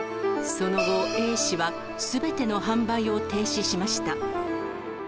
その後、Ａ氏はすべての販売を停止しました。